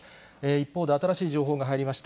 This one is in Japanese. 一方で、新しい情報が入りました。